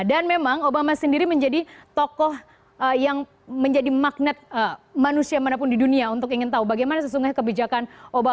dan memang obama sendiri menjadi tokoh yang menjadi magnet manusia manapun di dunia untuk ingin tahu bagaimana sesungguhnya kebijakan obama